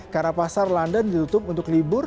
karena pasar london ditutup untuk libur